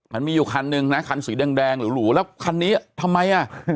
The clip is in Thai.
มันมีอยู่คันนึงนะคันสีแดงหรูแล้วคันนี้ทำไมอ่ะ